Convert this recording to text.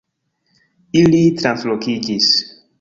Ili translokiĝis